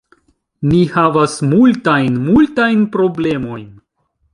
Ni havas multajn, multajn problemojn.